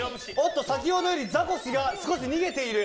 先ほどより、ザコシが少し逃げている。